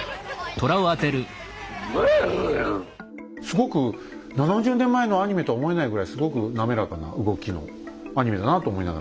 すごく７０年前のアニメとは思えないぐらいすごく滑らかな動きのアニメだなと思いながら見てましたけど。